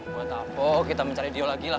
gak apa apa kita mencari dia lagi lah